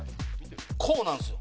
こうなんですよ。